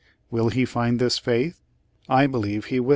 Will he find this faith? I believe he will.